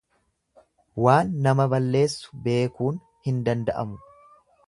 Waan nama balleessu beekuun hin danda'amu.